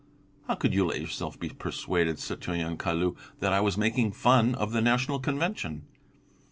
How could you let yourself be persuaded, citoyen Caillou, that I was making fun of the National Convention?"